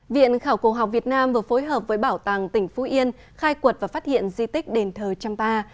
viện khảo cổ học việt nam vừa phối hợp với bảo tàng tỉnh phú yên khai quật và phát hiện di tích đền thờ champa